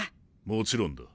もちろんだ。